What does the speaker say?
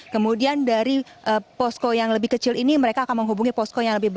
kemudian dari posko yang lebih kecil ini mereka akan menghubungi posko yang lebih besar